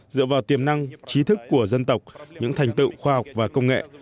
dựa vào tiềm năng trí thức của dân tộc những thành tựu khoa học và công nghệ